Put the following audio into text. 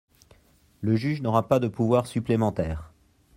Le juge n’aura pas de pouvoir supplémentaire.